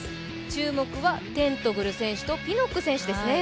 注目はテントグル選手とピノック選手ですね。